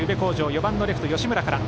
４番のレフト吉村から。